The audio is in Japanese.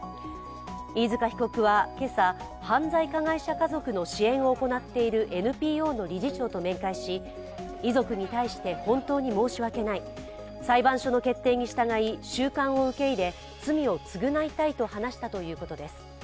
飯塚被告は今朝、犯罪加害者家族の支援を行っているＮＰＯの理事長と面会し、遺族に対して本当に申し訳ない、裁判所の決定に従い、収監を受け入れ罪を償いたいと話したということです。